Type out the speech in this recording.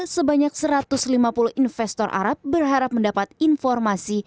sebanyak satu ratus lima puluh investor arab berharap mendapat informasi